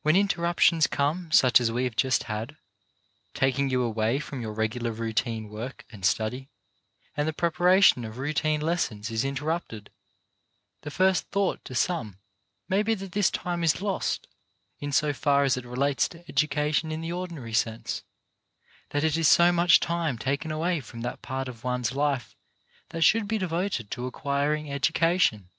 When inter ruptions come such as we have just had, taking you away from your regular routine work and study, and the preparation of routine lessons is interrupted, the first thought to some may be that this time is lost, in so far as it relates to education in the ordinary sense ; that it is so much time taken away from that part of one's life that should be devoted to acquiring education.